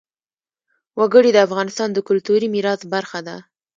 وګړي د افغانستان د کلتوري میراث برخه ده.